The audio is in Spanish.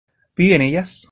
¿viven ellas?